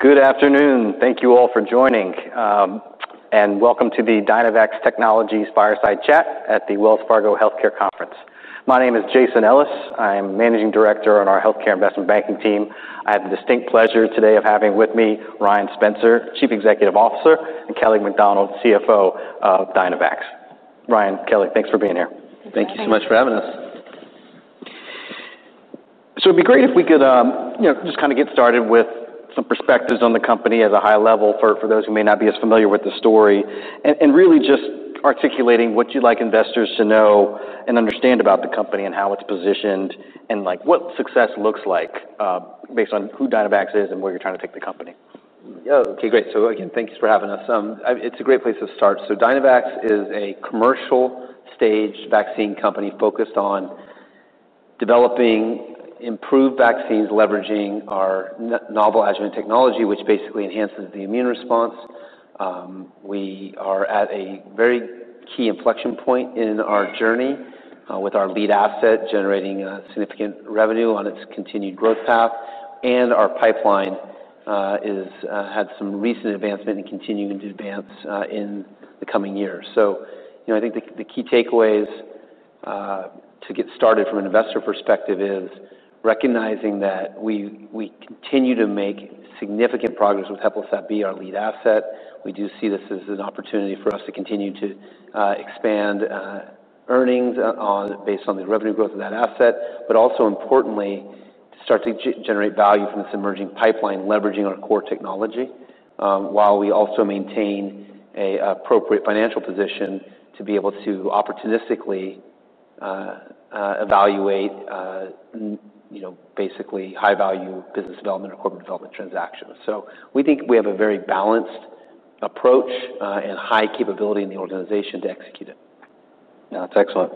... Good afternoon. Thank you all for joining, and welcome to the Dynavax Technologies Fireside Chat at the Wells Fargo Healthcare Conference. My name is Jason Ellis. I am Managing Director on our healthcare investment banking team. I have the distinct pleasure today of having with me Ryan Spencer, Chief Executive Officer, and Kelly MacDonald, CFO of Dynavax. Ryan, Kelly, thanks for being here. Thank you. Thank you. Thank you so much for having us. So it'd be great if we could, you know, just kinda get started with some perspectives on the company at a high level for those who may not be as familiar with the story, and really just articulating what you'd like investors to know and understand about the company and how it's positioned, and, like, what success looks like, based on who Dynavax is and where you're trying to take the company. Okay, great. So again, thank you for having us. It's a great place to start. So Dynavax is a commercial-stage vaccine company focused on developing improved vaccines, leveraging our novel adjuvant technology, which basically enhances the immune response. We are at a very key inflection point in our journey, with our lead asset generating significant revenue on its continued growth path, and our pipeline has had some recent advancement and continuing to advance in the coming years. So, you know, I think the key takeaways to get started from an investor perspective is recognizing that we continue to make significant progress with HEPLISAV-B, our lead asset. We do see this as an opportunity for us to continue to expand earnings based on the revenue growth of that asset, but also importantly, start to generate value from this emerging pipeline, leveraging our core technology, while we also maintain a appropriate financial position to be able to opportunistically evaluate, you know, basically high-value business development or corporate development transactions. So we think we have a very balanced approach, and high capability in the organization to execute it. Now, that's excellent.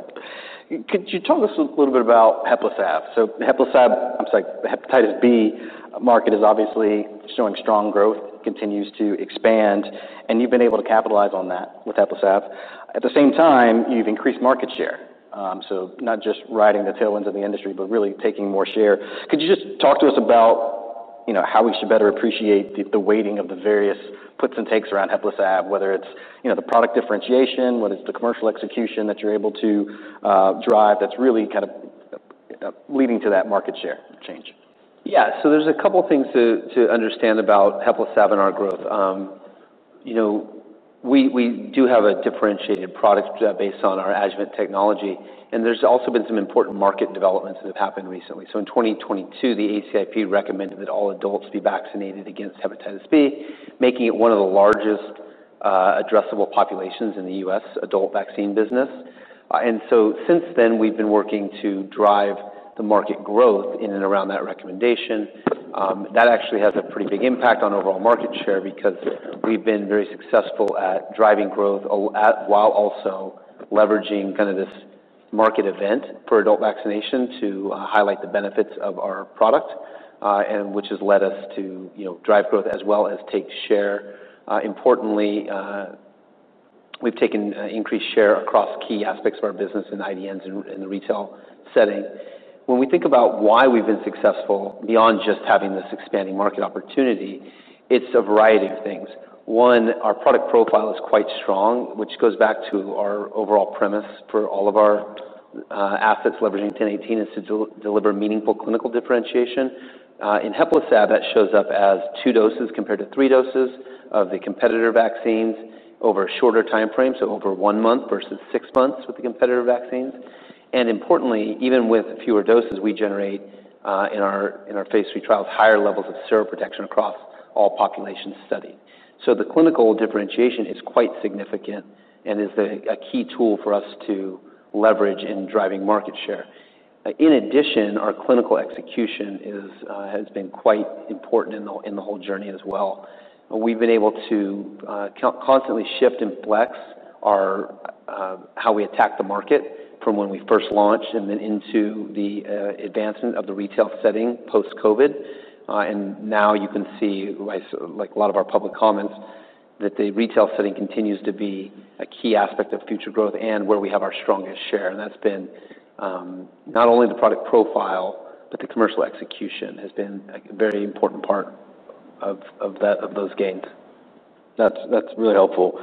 Could you talk to us a little bit about HEPLISAV-B? So HEPLISAV-B, I'm sorry, Hepatitis B market is obviously showing strong growth, continues to expand, and you've been able to capitalize on that with HEPLISAV-B. At the same time, you've increased market share, so not just riding the tailwinds of the industry, but really taking more share. Could you just talk to us about, you know, how we should better appreciate the weighting of the various puts and takes around HEPLISAV-B, whether it's, you know, the product differentiation, whether it's the commercial execution that you're able to, drive, that's really kind of, leading to that market share change? Yeah. So there's a couple things to understand about HEPLISAV-B and our growth. You know, we do have a differentiated product based on our adjuvant technology, and there's also been some important market developments that have happened recently. So in twenty twenty-two, the ACIP recommended that all adults be vaccinated against hepatitis B, making it one of the largest addressable populations in the U.S. adult vaccine business. And so since then, we've been working to drive the market growth in and around that recommendation. That actually has a pretty big impact on overall market share because we've been very successful at driving growth while also leveraging kind of this market event for adult vaccination to highlight the benefits of our product, and which has led us to, you know, drive growth as well as take share. Importantly, we've taken increased share across key aspects of our business in IDNs and the retail setting. When we think about why we've been successful, beyond just having this expanding market opportunity, it's a variety of things. One, our product profile is quite strong, which goes back to our overall premise for all of our assets, leveraging 1018, is to deliver meaningful clinical differentiation. In HEPLISAV, that shows up as two doses compared to three doses of the competitor vaccines over a shorter timeframe, so over one month versus six months with the competitor vaccines. And importantly, even with fewer doses, we generate in our phase III trials, higher levels of seroprotection across all populations studied. So the clinical differentiation is quite significant and is a key tool for us to leverage in driving market share. In addition, our commercial execution has been quite important in the whole journey as well. We've been able to constantly shift and flex our how we attack the market from when we first launched and then into the advancement of the retail setting post-COVID. And now you can see, like a lot of our public comments, that the retail setting continues to be a key aspect of future growth and where we have our strongest share, and that's been not only the product profile, but the commercial execution has been a very important part of that of those gains. That's, that's really helpful.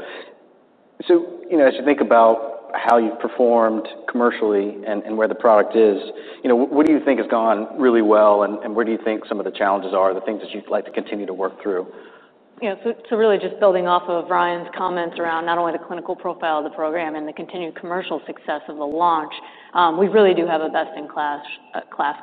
So, you know, as you think about how you've performed commercially and, and where the product is, you know, what do you think has gone really well, and, and where do you think some of the challenges are, the things that you'd like to continue to work through? You know, so, so really just building off of Ryan's comments around not only the clinical profile of the program and the continued commercial success of the launch, we really do have a best-in-class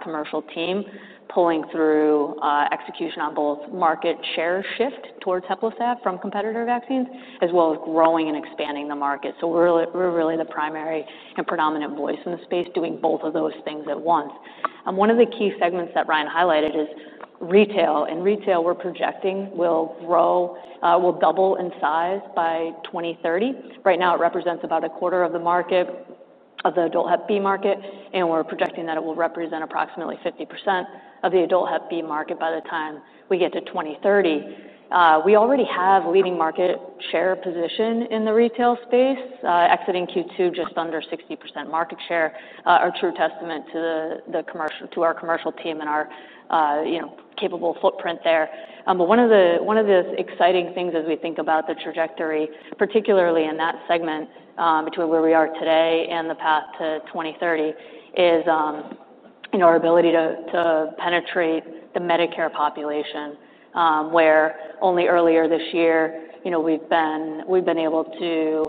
commercial team pulling through execution on both market share shift towards HEPLISAV-B from competitor vaccines, as well as growing and expanding the market. So we're really, we're really the primary and predominant voice in the space, doing both of those things at once. One of the key segments that Ryan highlighted is retail. In retail, we're projecting will grow, will double in size by 2030. Right now, it represents about a quarter of the market of the adult Hep B market, and we're projecting that it will represent approximately 50% of the adult Hep B market by the time we get to 2030. We already have leading market share position in the retail space, exiting Q2, just under 60% market share. A true testament to our commercial team and our, you know, capable footprint there. But one of the exciting things as we think about the trajectory, particularly in that segment, between where we are today and the path to 2030, is, you know, our ability to penetrate the Medicare population. Where only earlier this year, you know, we've been able to,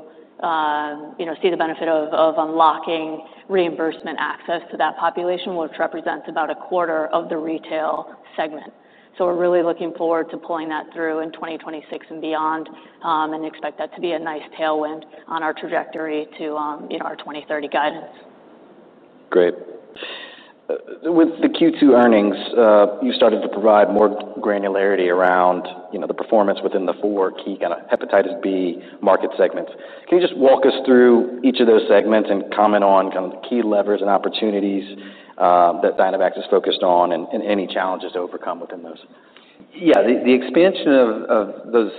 you know, see the benefit of unlocking reimbursement access to that population, which represents about a quarter of the retail segment. So we're really looking forward to pulling that through in 2026 and beyond, and expect that to be a nice tailwind on our trajectory to, you know, our 2030 guidance. Great. With the Q2 earnings, you started to provide more granularity around, you know, the performance within the four key kinda hepatitis B market segments. Can you just walk us through each of those segments and comment on kind of the key levers and opportunities that Dynavax is focused on and any challenges to overcome within those? Yeah, the expansion of those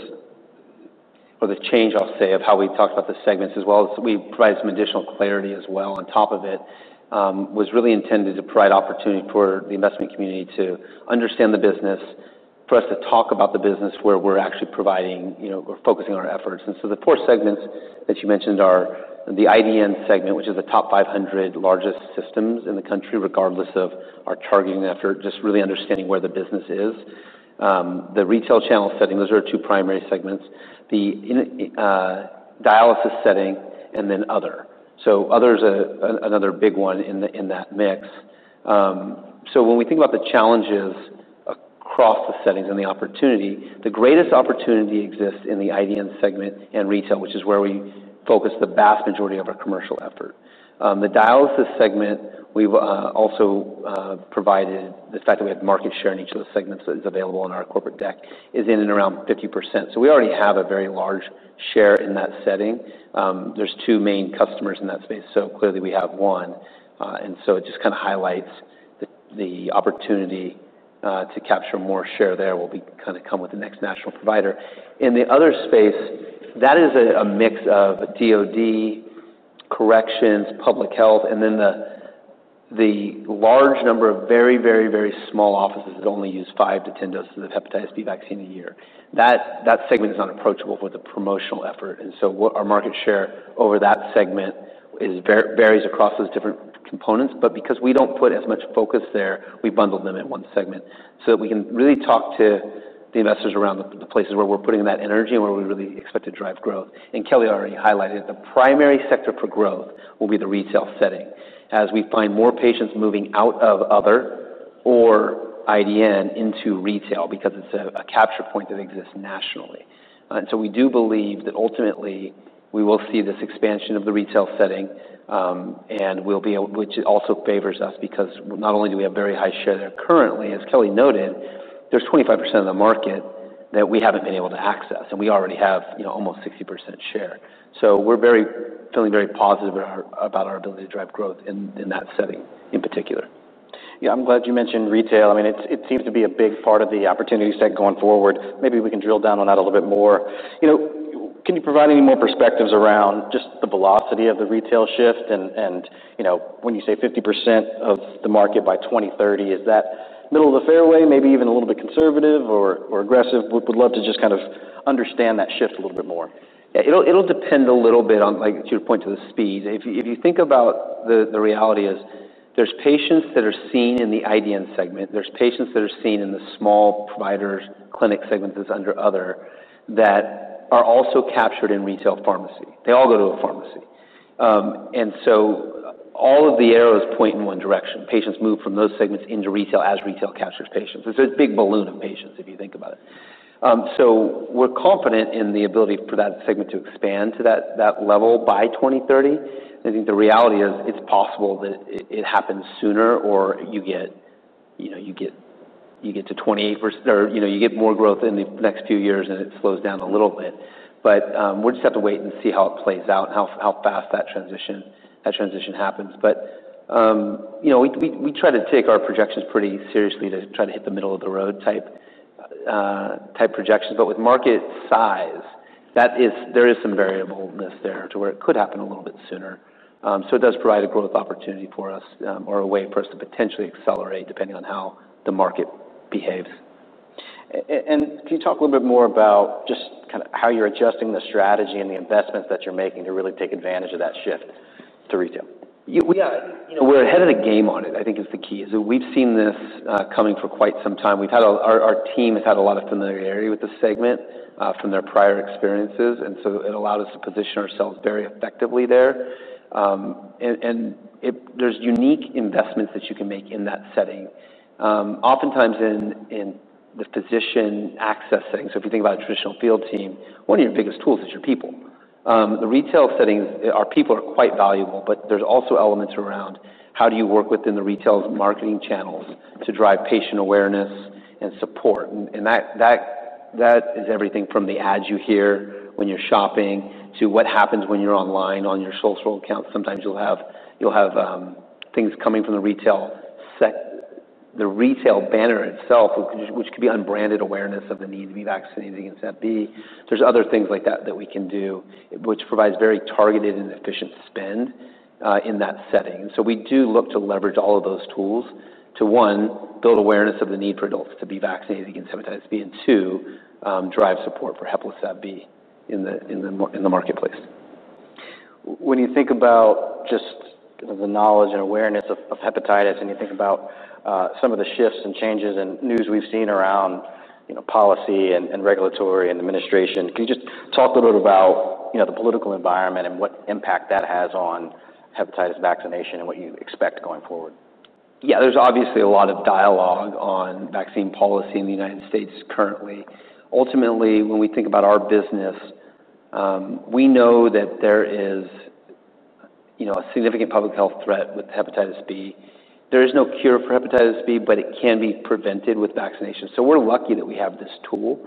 or the change, I'll say, of how we've talked about the segments, as well as we provide some additional clarity as well on top of it, was really intended to provide opportunity for the investment community to understand the business, for us to talk about the business where we're actually providing, you know, we're focusing our efforts. And so the four segments that you mentioned are the IDN segment, which is the top 500 largest systems in the country, regardless of our targeting effort, just really understanding where the business is. The retail channel setting, those are our two primary segments, the in dialysis setting and then other. So other is another big one in that mix. So when we think about the challenges across the settings and the opportunity, the greatest opportunity exists in the IDN segment and retail, which is where we focus the vast majority of our commercial effort. The dialysis segment, we've also provided the fact that we have market share in each of those segments is available on our corporate deck, is in and around 50%. So we already have a very large share in that setting. There's two main customers in that space, so clearly we have one. And so it just kinda highlights the opportunity to capture more share there will kinda come with the next national provider. In the other space, that is a mix of DoD, corrections, public health, and then the large number of very small offices that only use five to 10 doses of hepatitis B vaccine a year. That segment is not approachable with a promotional effort, and so what our market share over that segment is varies across those different components, but because we don't put as much focus there, we bundle them in one segment. So we can really talk to the investors around the places where we're putting that energy and where we really expect to drive growth. And Kelly already highlighted, the primary sector for growth will be the retail setting, as we find more patients moving out of other or IDN into retail because it's a capture point that exists nationally. We do believe that ultimately we will see this expansion of the retail setting, which it also favors us because not only do we have very high share there currently, as Kelly noted, there's 25% of the market that we haven't been able to access, and we already have, you know, almost 60% share. So we're feeling very positive about our ability to drive growth in that setting in particular. Yeah, I'm glad you mentioned retail. I mean, it seems to be a big part of the opportunity set going forward. Maybe we can drill down on that a little bit more. You know, can you provide any more perspectives around just the velocity of the retail shift? And, you know, when you say 50% of the market by 2030, is that middle of the fairway, maybe even a little bit conservative or aggressive? We would love to just kind of understand that shift a little bit more. Yeah, it'll depend a little bit on, like, to your point, to the speed. If you think about the reality is, there's patients that are seen in the IDN segment, there's patients that are seen in the small providers, clinic segments that's under other, that are also captured in retail pharmacy. They all go to a pharmacy, and so all of the arrows point in one direction. Patients move from those segments into retail as retail captures patients. There's a big balloon of patients, if you think about it, so we're confident in the ability for that segment to expand to that level by 2030. I think the reality is, it's possible that it happens sooner or you get, you know, you get to 28 per... or, you know, you get more growth in the next few years, and it slows down a little bit. But we'll just have to wait and see how it plays out and how fast that transition happens. But, you know, we try to take our projections pretty seriously to try to hit the middle-of-the-road type projections. But with market size, there is some variableness there to where it could happen a little bit sooner. So it does provide a growth opportunity for us, or a way for us to potentially accelerate, depending on how the market behaves. And can you talk a little bit more about just kinda how you're adjusting the strategy and the investments that you're making to really take advantage of that shift to retail? Yeah, we are. You know, we're ahead of the game on it, I think is the key, is we've seen this coming for quite some time. Our team has had a lot of familiarity with this segment from their prior experiences, and so it allowed us to position ourselves very effectively there. And it- there's unique investments that you can make in that setting. Oftentimes in the physician access setting, so if you think about a traditional field team, one of your biggest tools is your people. The retail settings, our people are quite valuable, but there's also elements around how do you work within the retail's marketing channels to drive patient awareness and support? And that... That is everything from the ads you hear when you're shopping to what happens when you're online on your social accounts. Sometimes you'll have things coming from the retail set, the retail banner itself, which could be unbranded awareness of the need to be vaccinated against hep B. There's other things like that that we can do, which provides very targeted and efficient spend in that setting. So we do look to leverage all of those tools to, one, build awareness of the need for adults to be vaccinated against hepatitis B, and two, drive support for HEPLISAV-B in the marketplace. When you think about just the knowledge and awareness of hepatitis, and you think about some of the shifts and changes and news we've seen around, you know, policy and regulatory and administration, can you just talk a little bit about, you know, the political environment and what impact that has on hepatitis vaccination and what you expect going forward? Yeah, there's obviously a lot of dialogue on vaccine policy in the United States currently. Ultimately, when we think about our business, we know that there is, you know, a significant public health threat with hepatitis B. There is no cure for hepatitis B, but it can be prevented with vaccination, so we're lucky that we have this tool.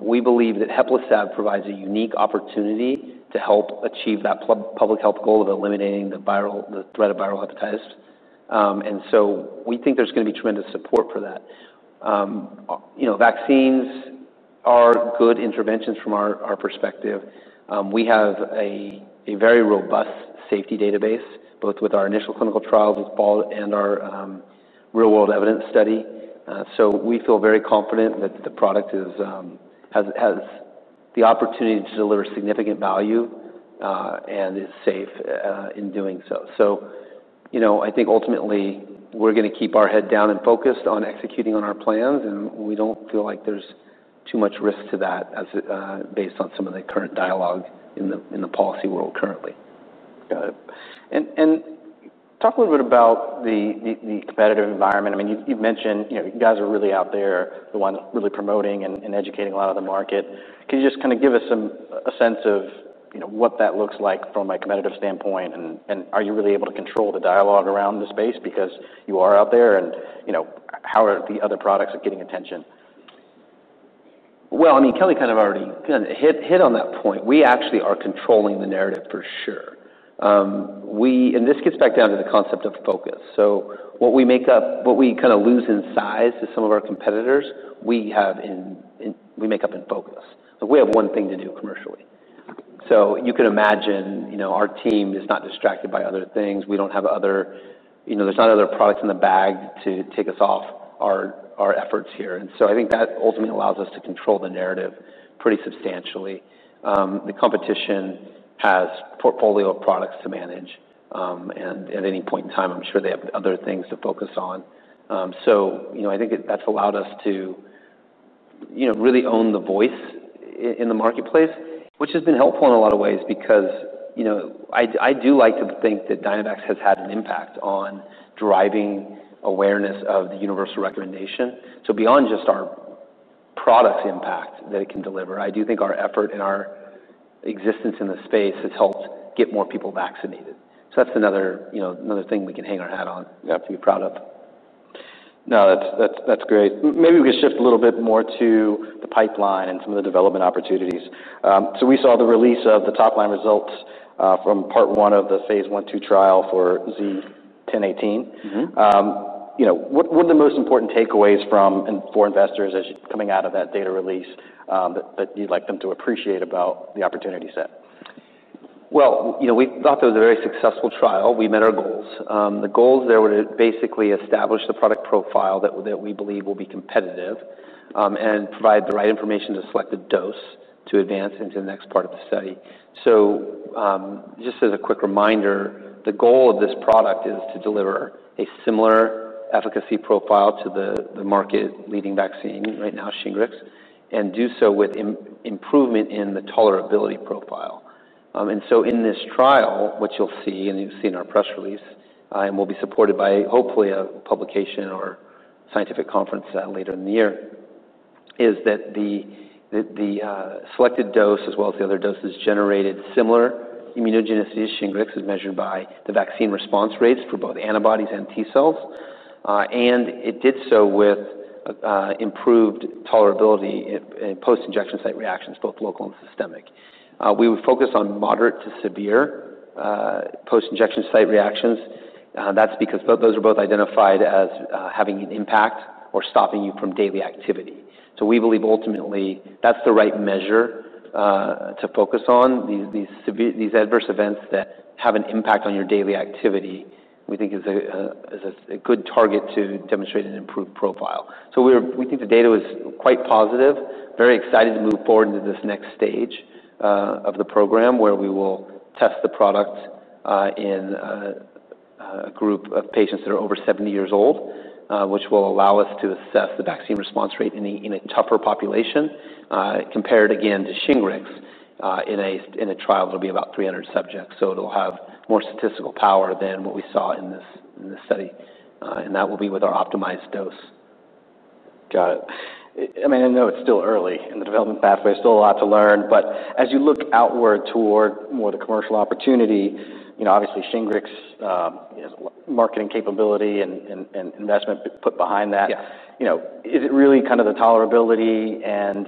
We believe that HEPLISAV-B provides a unique opportunity to help achieve that public health goal of eliminating the threat of viral hepatitis, and so we think there's gonna be tremendous support for that. You know, vaccines are good interventions from our perspective. We have a very robust safety database, both with our initial clinical trials as well and our real-world evidence study. So we feel very confident that the product is has the opportunity to deliver significant value, and is safe in doing so. So, you know, I think ultimately we're gonna keep our head down and focused on executing on our plans, and we don't feel like there's too much risk to that as based on some of the current dialogue in the policy world currently. Got it. And talk a little bit about the competitive environment. I mean, you've mentioned, you know, you guys are really out there, the ones really promoting and educating a lot of the market. Can you just kinda give us some... a sense of, you know, what that looks like from a competitive standpoint? And are you really able to control the dialogue around the space because you are out there? And, you know, how are the other products getting attention? I mean, Kelly kind of already hit on that point. We actually are controlling the narrative for sure, and this gets back down to the concept of focus. What we make up, what we kinda lose in size to some of our competitors, we have in, we make up in focus. So we have one thing to do commercially. You can imagine, you know, our team is not distracted by other things. We don't have other products in the bag to take us off our efforts here. And so I think that ultimately allows us to control the narrative pretty substantially. The competition has portfolio of products to manage, and at any point in time, I'm sure they have other things to focus on. So, you know, I think that's allowed us to, you know, really own the voice in the marketplace, which has been helpful in a lot of ways because, you know, I do like to think that Dynavax has had an impact on driving awareness of the universal recommendation. So beyond just our product impact that it can deliver, I do think our effort and our existence in the space has helped get more people vaccinated. So that's another, you know, another thing we can hang our hat on. Yeah... and be proud of. No, that's great. Maybe we can shift a little bit more to the pipeline and some of the development opportunities so we saw the release of the top-line results from part one of the phase 1/2 trial for Z-1018. Mm-hmm. You know, what are the most important takeaways from and for investors as you're coming out of that data release, that you'd like them to appreciate about the opportunity set? You know, we thought that was a very successful trial. We met our goals. The goals there were to basically establish the product profile that we believe will be competitive, and provide the right information to select the dose to advance into the next part of the study. So, just as a quick reminder, the goal of this product is to deliver a similar efficacy profile to the market-leading vaccine, right now, Shingrix, and do so with improvement in the tolerability profile. And so in this trial, what you'll see, and you've seen our press release, and will be supported by hopefully a publication or scientific conference, later in the year, is that the selected dose as well as the other doses generated similar immunogenicity as Shingrix as measured by the vaccine response rates for both antibodies and T cells. And it did so with improved tolerability in post-injection site reactions, both local and systemic. We would focus on moderate to severe post-injection site reactions. That's because those are both identified as having an impact or stopping you from daily activity. So we believe ultimately, that's the right measure to focus on. These severe adverse events that have an impact on your daily activity, we think is a good target to demonstrate an improved profile. So we think the data was quite positive. Very excited to move forward into this next stage of the program, where we will test the product in a group of patients that are over 70 years old, which will allow us to assess the vaccine response rate in a tougher population, compared again to Shingrix, in a trial that'll be about 300 subjects. So it'll have more statistical power than what we saw in this study, and that will be with our optimized dose.... Got it. I mean, I know it's still early in the development pathway, still a lot to learn, but as you look outward toward more the commercial opportunity, you know, obviously, Shingrix has marketing capability and investment put behind that. Yeah. You know, is it really kind of the tolerability and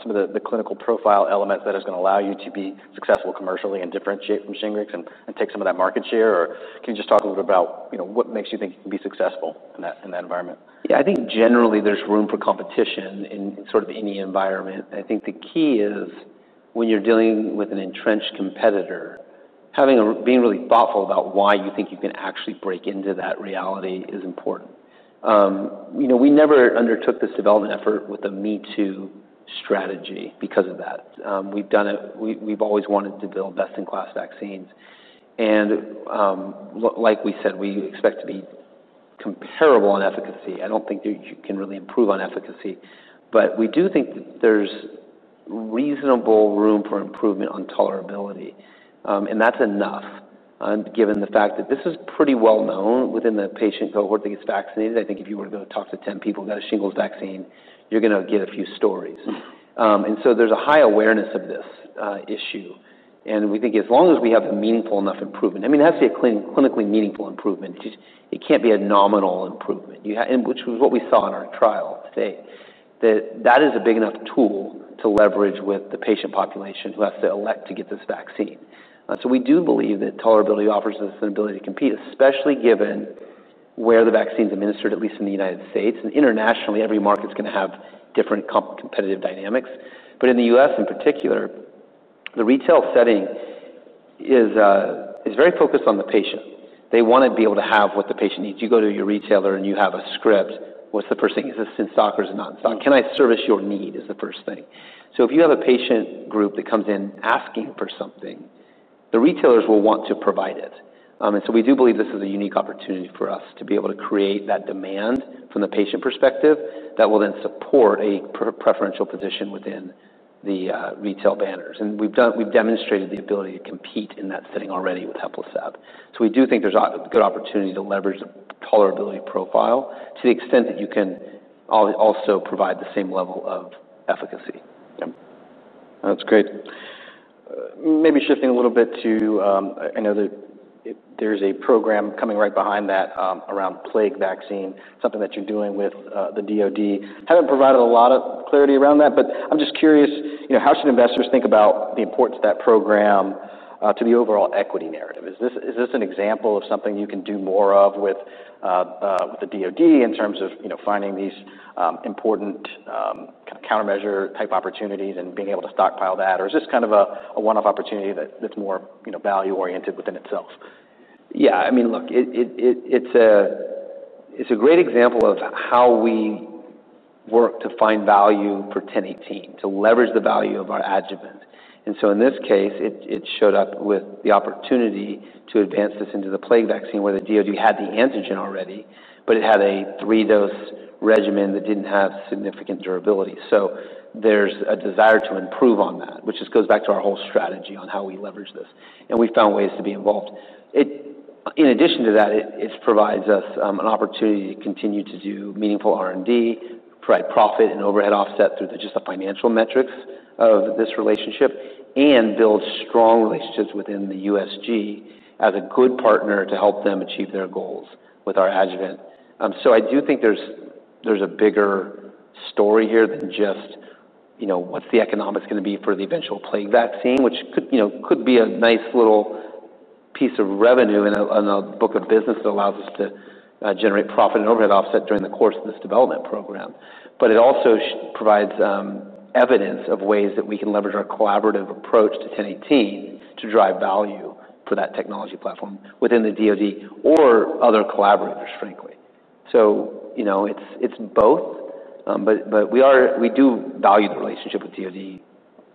some of the clinical profile elements that is gonna allow you to be successful commercially and differentiate from Shingrix and take some of that market share? Or can you just talk a little bit about, you know, what makes you think you can be successful in that environment? Yeah, I think generally there's room for competition in sort of any environment. I think the key is when you're dealing with an entrenched competitor, being really thoughtful about why you think you can actually break into that reality is important. You know, we never undertook this development effort with a me-too strategy because of that. We've always wanted to build best-in-class vaccines, and like we said, we expect to be comparable on efficacy. I don't think you can really improve on efficacy, but we do think there's reasonable room for improvement on tolerability. And that's enough, given the fact that this is pretty well known within the patient cohort that gets vaccinated. I think if you were to go talk to ten people who got a shingles vaccine, you're gonna get a few stories. Mm. And so there's a high awareness of this issue, and we think as long as we have a meaningful enough improvement. I mean, it has to be a clinically meaningful improvement. It just can't be a nominal improvement, and which was what we saw in our trial to date, that is a big enough tool to leverage with the patient population who have to elect to get this vaccine. So we do believe that tolerability offers us an ability to compete, especially given where the vaccine's administered, at least in the United States and internationally, every market's gonna have different competitive dynamics. But in the U.S. in particular, the retail setting is very focused on the patient. They wanna be able to have what the patient needs. You go to your retailer, and you have a script. What's the first thing? Is this in stock or is it not in stock? Can I service your need? Is the first thing, so if you have a patient group that comes in asking for something, the retailers will want to provide it. And so we do believe this is a unique opportunity for us to be able to create that demand from the patient perspective, that will then support a preferential position within the retail banners. And we've demonstrated the ability to compete in that setting already with HEPLISAV-B, so we do think there's a good opportunity to leverage the tolerability profile to the extent that you can also provide the same level of efficacy. Yep. That's great. Maybe shifting a little bit to, I know that there's a program coming right behind that, around plague vaccine, something that you're doing with the DoD. Haven't provided a lot of clarity around that, but I'm just curious, you know, how should investors think about the importance of that program to the overall equity narrative? Is this an example of something you can do more of with the DoD in terms of, you know, finding these important kind of countermeasure-type opportunities and being able to stockpile that? Or is this kind of a one-off opportunity that's more, you know, value-oriented within itself? Yeah, I mean, look, it's a great example of how we work to find value for Z-1018, to leverage the value of our adjuvant. And so in this case, it showed up with the opportunity to advance this into the plague vaccine, where the DoD had the antigen already, but it had a three-dose regimen that didn't have significant durability. So there's a desire to improve on that, which just goes back to our whole strategy on how we leverage this, and we found ways to be involved. It. In addition to that, it provides us an opportunity to continue to do meaningful R&D, provide profit and overhead offset through just the financial metrics of this relationship and build strong relationships within the USG as a good partner to help them achieve their goals with our adjuvant. So I do think there's a bigger story here than just, you know, what's the economics gonna be for the eventual plague vaccine, which could, you know, be a nice little piece of revenue in a book of business that allows us to generate profit and overhead offset during the course of this development program. But it also provides evidence of ways that we can leverage our collaborative approach to 1018 to drive value for that technology platform within the DoD or other collaborators, frankly. So, you know, it's both. But we do value the relationship with DoD,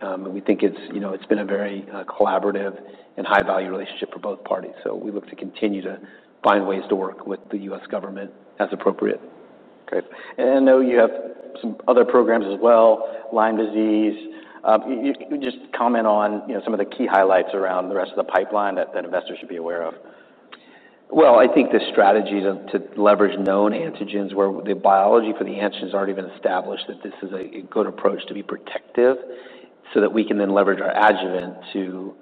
and we think it's, you know, it's been a very collaborative and high-value relationship for both parties. So we look to continue to find ways to work with the U.S. government as appropriate. Okay. And I know you have some other programs as well, Lyme disease. You just comment on, you know, some of the key highlights around the rest of the pipeline that investors should be aware of. I think the strategy to leverage known antigens where the biology for the antigen has already been established, that this is a good approach to be protective so that we can then leverage our adjuvant to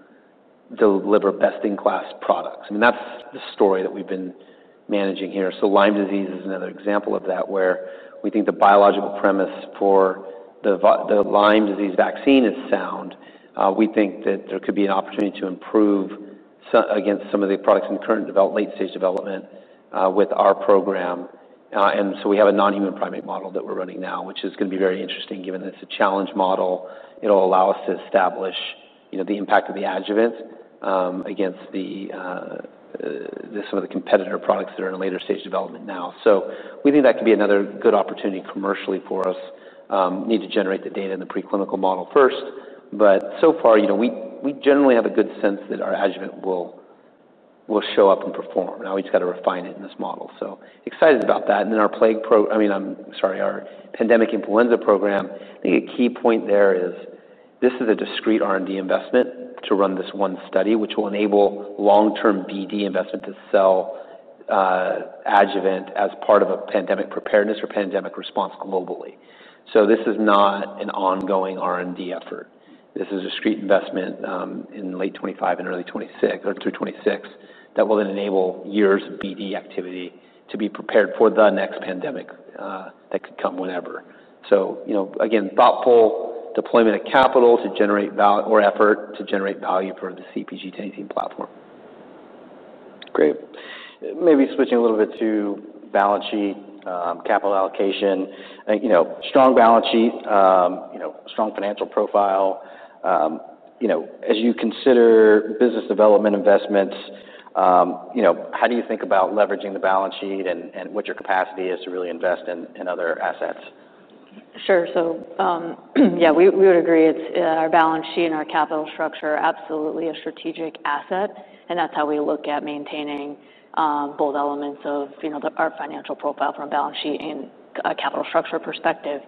deliver best-in-class products. I mean, that's the story that we've been managing here. So Lyme disease is another example of that, where we think the biological premise for the Lyme disease vaccine is sound. We think that there could be an opportunity to improve somewhat against some of the products in current late-stage development with our program. And so we have a non-human primate model that we're running now, which is gonna be very interesting, given that it's a challenge model. It'll allow us to establish, you know, the impact of the adjuvant against some of the competitor products that are in a later stage development now. So we think that could be another good opportunity commercially for us. Need to generate the data in the preclinical model first, but so far, you know, we generally have a good sense that our adjuvant will show up and perform. Now, we've just got to refine it in this model, so excited about that, and then our pandemic influenza program, I think a key point there is. This is a discrete R&D investment to run this one study, which will enable long-term BD investment to sell adjuvant as part of a pandemic preparedness or pandemic response globally, so this is not an ongoing R&D effort. This is a street investment in late 2025 and early 2026 or through 2026, that will then enable years of BD activity to be prepared for the next pandemic that could come whenever. So, you know, again, thoughtful deployment of capital to generate value or effort to generate value for the CpG 1018 platform. Great. Maybe switching a little bit to balance sheet, capital allocation. You know, strong balance sheet, you know, strong financial profile. You know, as you consider business development investments, you know, how do you think about leveraging the balance sheet and what your capacity is to really invest in other assets? Sure, so yeah, we would agree. It's our balance sheet and our capital structure are absolutely a strategic asset, and that's how we look at maintaining both elements of, you know, our financial profile from a balance sheet and a capital structure perspective.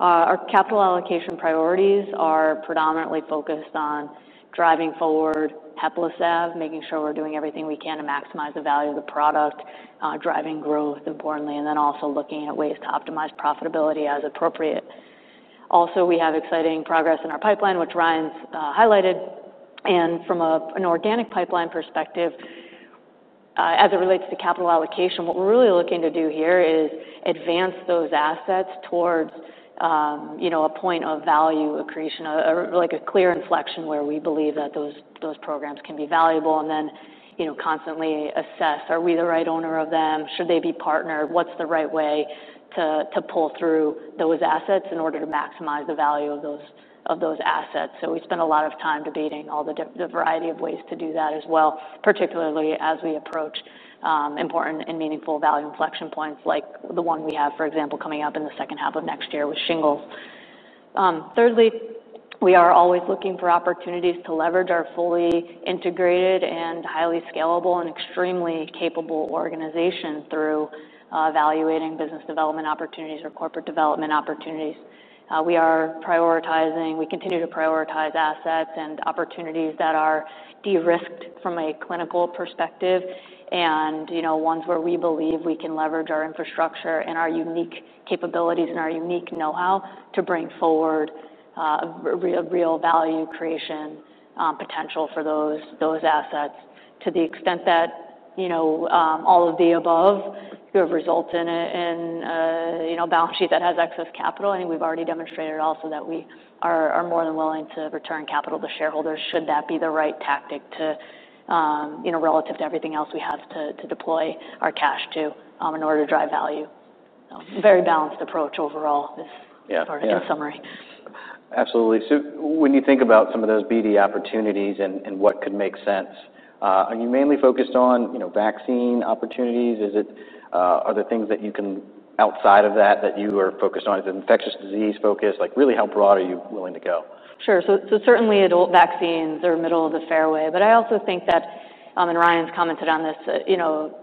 Our capital allocation priorities are predominantly focused on driving forward HEPLISAV-B, making sure we're doing everything we can to maximize the value of the product, driving growth importantly, and then also looking at ways to optimize profitability as appropriate. Also, we have exciting progress in our pipeline, which Ryan's highlighted. From an organic pipeline perspective, as it relates to capital allocation, what we're really looking to do here is advance those assets towards, you know, a point of value accretion, or like a clear inflection, where we believe that those programs can be valuable. Then, you know, constantly assess, are we the right owner of them? Should they be partnered? What's the right way to pull through those assets in order to maximize the value of those assets? We spend a lot of time debating all the variety of ways to do that as well, particularly as we approach important and meaningful value inflection points, like the one we have, for example, coming up in the second half of next year with shingles. Thirdly, we are always looking for opportunities to leverage our fully integrated and highly scalable and extremely capable organization through evaluating business development opportunities or corporate development opportunities. We continue to prioritize assets and opportunities that are de-risked from a clinical perspective, and, you know, ones where we believe we can leverage our infrastructure and our unique capabilities and our unique know-how to bring forward a real value creation potential for those assets. To the extent that, you know, all of the above, who have resulted in a, you know, balance sheet that has excess capital, I think we've already demonstrated also that we are more than willing to return capital to shareholders, should that be the right tactic to, you know, relative to everything else we have to deploy our cash to, in order to drive value. A very balanced approach overall, this- Yeah. Sort of in summary. Absolutely. So when you think about some of those BD opportunities and what could make sense, are you mainly focused on, you know, vaccine opportunities? Is it, are there things that you can-- outside of that, that you are focused on? Is it infectious disease focused? Like, really, how broad are you willing to go? Sure. So, so certainly, adult vaccines are middle of the fairway, but I also think that, and Ryan's commented on this, you know,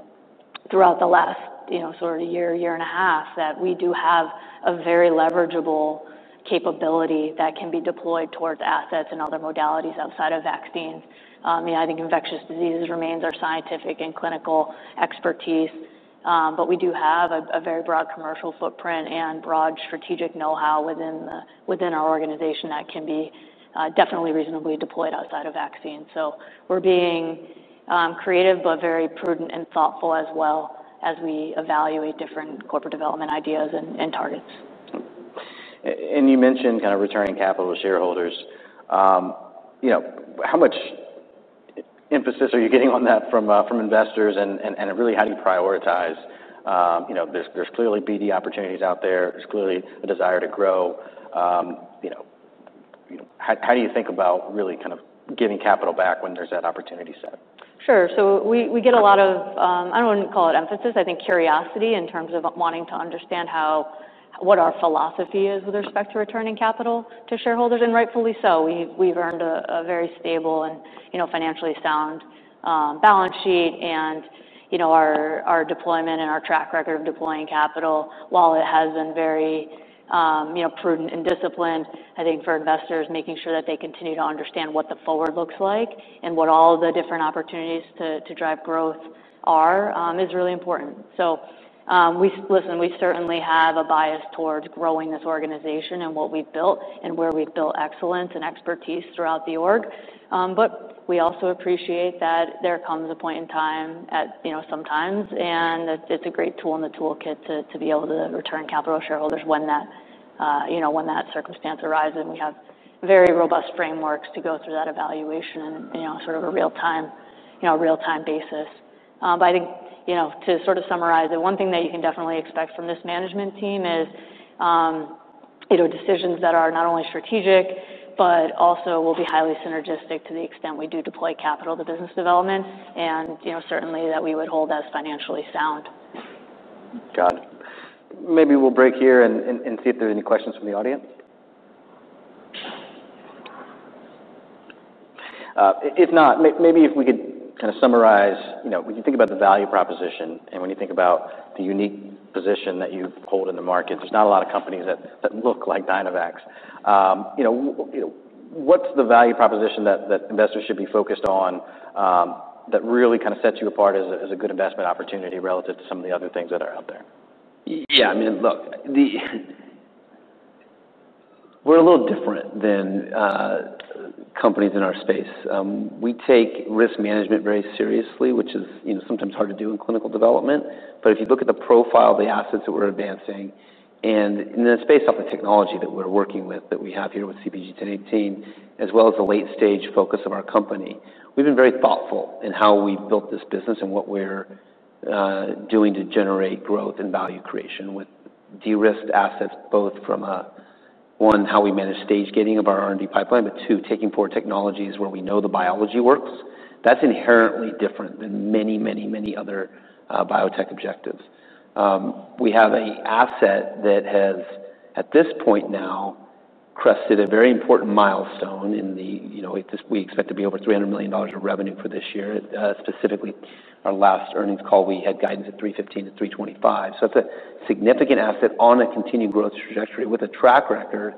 throughout the last, you know, sort of year, year and a half, that we do have a very leverageable capability that can be deployed towards assets and other modalities outside of vaccines. Yeah, I think infectious diseases remains our scientific and clinical expertise, but we do have a very broad commercial footprint and broad strategic know-how within our organization that can be definitely reasonably deployed outside of vaccines. So we're being creative, but very prudent and thoughtful as well as we evaluate different corporate development ideas and targets. And you mentioned kind of returning capital to shareholders. You know, how much emphasis are you getting on that from investors, and really, how do you prioritize? You know, there's clearly BD opportunities out there. There's clearly a desire to grow. You know, how do you think about really kind of giving capital back when there's that opportunity set? Sure. So we get a lot of, I don't want to call it emphasis, I think curiosity in terms of wanting to understand how-- what our philosophy is with respect to returning capital to shareholders, and rightfully so. We've earned a very stable and, you know, financially sound, balance sheet and, you know, our deployment and our track record of deploying capital. While it has been very, you know, prudent and disciplined, I think for investors, making sure that they continue to understand what the forward looks like and what all the different opportunities to drive growth are, is really important. So, we-- listen, we certainly have a bias towards growing this organization and what we've built and where we've built excellence and expertise throughout the org. But we also appreciate that there comes a point in time, you know, sometimes, and it's a great tool in the toolkit to be able to return capital to shareholders when that, you know, when that circumstance arises. And we have very robust frameworks to go through that evaluation and, you know, sort of a real-time, you know, real-time basis. But I think, you know, to sort of summarize it, one thing that you can definitely expect from this management team is, you know, decisions that are not only strategic but also will be highly synergistic to the extent we do deploy capital to business development and, you know, certainly that we would hold as financially sound. Got it. Maybe we'll break here and see if there are any questions from the audience. If not, maybe if we could kind of summarize, you know, when you think about the value proposition and when you think about the unique position that you hold in the market, there's not a lot of companies that look like Dynavax. You know, what's the value proposition that investors should be focused on, that really kind of sets you apart as a good investment opportunity relative to some of the other things that are out there? Yeah, I mean, look, we're a little different than companies in our space. We take risk management very seriously, which is, you know, sometimes hard to do in clinical development. But if you look at the profile of the assets that we're advancing, and it's based off the technology that we're working with, that we have here with CpG 1018, as well as the late-stage focus of our company. We've been very thoughtful in how we built this business and what we're doing to generate growth and value creation with de-risked assets, both from one, how we manage stage gating of our R&D pipeline, but two, taking forward technologies where we know the biology works. That's inherently different than many, many, many other biotech objectives. We have an asset that has, at this point now, crested a very important milestone in the... You know, we expect to be over $300 million of revenue for this year. Specifically, our last earnings call, we had guidance at $315-$325 million. So it's a significant asset on a continued growth trajectory with a track record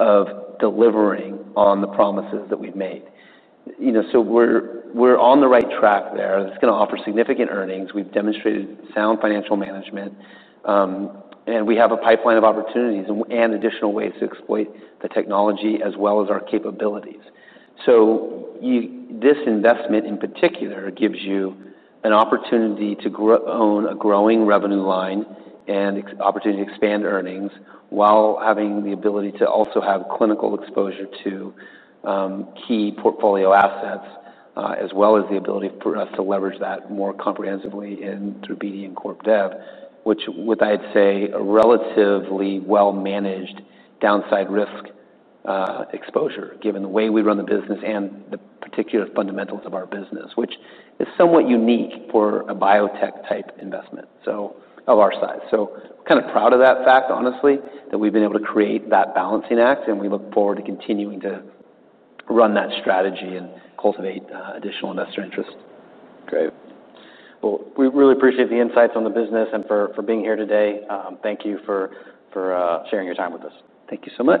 of delivering on the promises that we've made. You know, so we're on the right track there. It's gonna offer significant earnings. We've demonstrated sound financial management, and we have a pipeline of opportunities and additional ways to exploit the technology as well as our capabilities. This investment, in particular, gives you an opportunity to grow a growing revenue line and an opportunity to expand earnings while having the ability to also have clinical exposure to key portfolio assets, as well as the ability for us to leverage that more comprehensively through BD and corp dev, which I'd say a relatively well-managed downside risk exposure, given the way we run the business and the particular fundamentals of our business, which is somewhat unique for a biotech-type investment so of our size. Kind of proud of that fact, honestly, that we've been able to create that balancing act, and we look forward to continuing to run that strategy and cultivate additional investor interest. Great. Well, we really appreciate the insights on the business and for being here today. Thank you for sharing your time with us. Thank you so much.